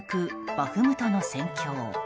バフムトの戦況。